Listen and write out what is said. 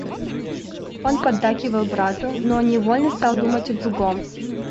Он поддакивал брату, но невольно стал думать о другом.